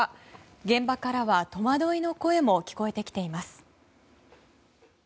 現場からは戸惑いの声も聞こえてきています。